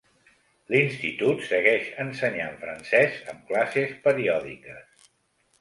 L'institut segueix ensenyant francès amb classes periòdiques.